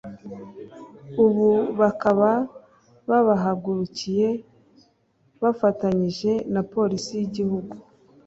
ubu bakaba babahagurukiye bafatanyije na Polisi y’igihugu